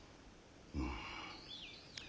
うん。